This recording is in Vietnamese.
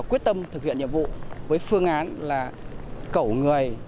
quyết tâm thực hiện nhiệm vụ với phương án là cẩu người